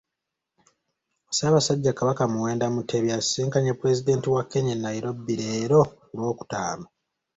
Ssaabasajja Kabaka Muwenda Mutebi asisinkanye Pulezidenti wa Kenya e Nairobi leero ku Lwokutaano.